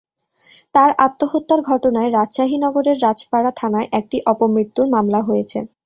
তার আত্মহত্যার ঘটনায় রাজশাহী নগরের রাজপাড়া থানায় একটি অপমৃত্যুর মামলা হয়েছে।